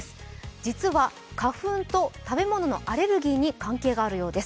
実は花粉と食べ物のアレルギーに関係があるようです。